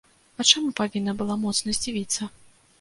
А чаму павінна была моцна здзівіцца?!